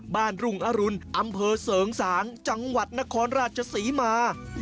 รุ่งอรุณอำเภอเสริงสางจังหวัดนครราชศรีมา